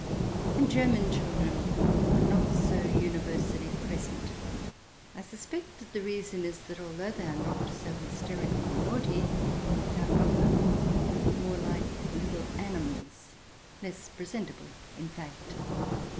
And German children are not so universally present ; I suspect the reason is that although they are not so hysterical or naughty they are rougher, more like little animals — less presentable, in fact.